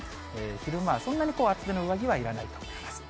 昼間はそんなに厚手の上着はいらないと思います。